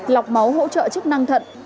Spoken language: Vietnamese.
lọc máu hỗ trợ chức năng thận